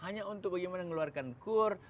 hanya untuk bagaimana mengeluarkan kur